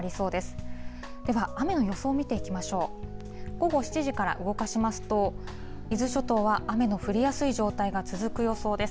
午後７時から動かしますと、伊豆諸島は雨の降りやすい状態が続く予想です。